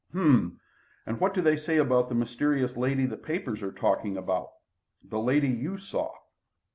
"H'm! And what do they say about the mysterious lady the papers are talking about the lady you saw?"